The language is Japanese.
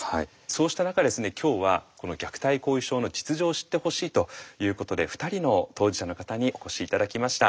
そうした中ですね今日はこの虐待後遺症の実情を知ってほしいということで２人の当事者の方にお越し頂きました。